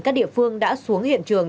các địa phương đã xuống hiện trường